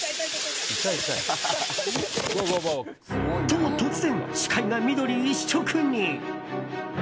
と、突然視界が緑一色に。